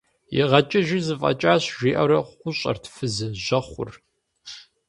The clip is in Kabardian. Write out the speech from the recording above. ИгъэкӀыжи зэфӀэкӀащ, – жиӀэурэ хъущӀэрт фыз жьэхъур.